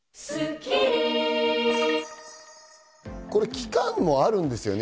期間もあるんですよね？